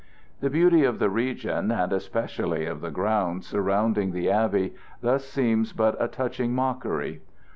The beauty of the region, and especially of the grounds surrounding the abbey, thus seems but a touching mockery.